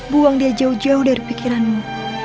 buang dia jauh jauh dari pikiranmu